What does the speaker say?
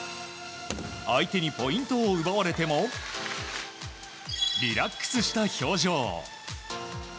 相手にポイントを奪われてもリラックスした表情。